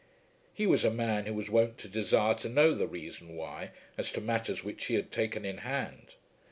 He was a man who was wont to desire to know the reason why, as to matters which he had taken in hand.